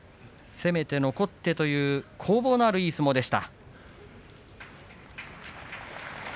攻めて残って攻防のある相撲でした。